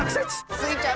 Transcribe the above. スイちゃん